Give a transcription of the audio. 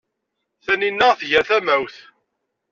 Taninna tger tamawt.